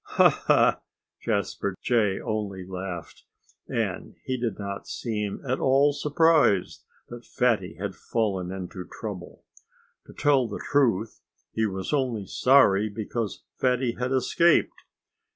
"Ha! ha!" Jasper Jay only laughed. And he did not seem at all surprised that Fatty had fallen into trouble. To tell the truth, he was only sorry because Fatty had escaped.